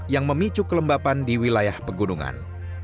yang memicu kelembapan di wilayah pegunungan